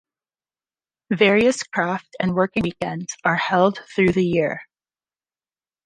Various craft and working weekends are held through the year.